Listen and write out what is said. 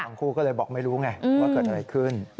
คู่ก็เลยบอกไม่รู้ไงว่าเกิดอะไรขึ้น